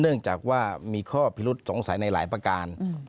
เนื่องจากว่ามีข้อพิรุษสงสัยในหลายประการ